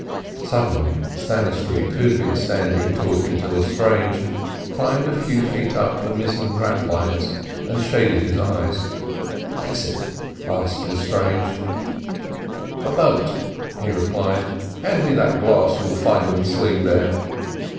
Suddenly Stannistreet, who had been standing talking to Lestrange, climbed a few feet up the mizzen ratlins, and shaded his eyes. "What is it?" asked Lestrange. "A boat," he replied. "Hand me that glass you will find in the sling there."